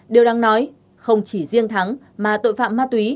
điều đáng nói không chỉ riêng thắng mà tội phạm ma túy